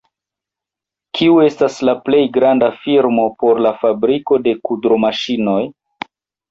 Kiu estas la plej granda firmo por la fabriko de kudromaŝinoj?